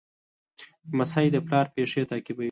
لمسی د پلار پېښې تعقیبوي.